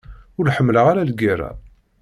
Ur ḥemmleɣ ara lgerra.